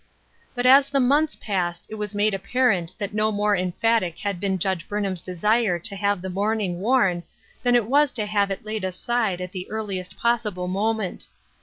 But as the months passed it was made apparent that no more emphatic had been Judge Burnham's desire to have the mourning worn than it was to have it laid aside at the earliest possible moment.